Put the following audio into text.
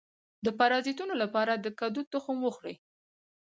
د پرازیتونو لپاره د کدو تخم وخورئ